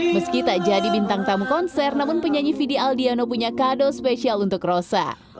meski tak jadi bintang tamu konser namun penyanyi fidi aldiano punya kado spesial untuk rosa